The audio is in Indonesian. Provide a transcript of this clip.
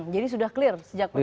jadi sudah clear sejak pertama